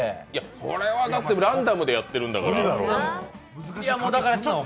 これはランダムでやってるんだから。